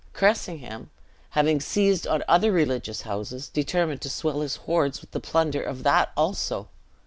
Cressingham, having seized on other religious houses, determined to swell his hoards with the plunder of that also.